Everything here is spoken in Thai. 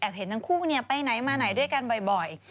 เห็นทั้งคู่ไปไหนมาไหนด้วยกันบ่อย